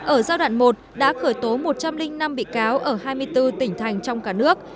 ở giai đoạn một đã khởi tố một trăm linh năm bị cáo ở hai mươi bốn tỉnh thành trong cả nước